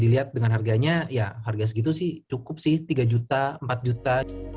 dilihat dengan harganya ya harga segitu sih cukup sih tiga juta empat juta